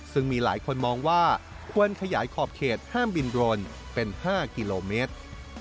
ซึ่งมีหลายคนมองว่าควรขยายขอบเขตห้ามบินโรนเป็น๕กิโลเมตร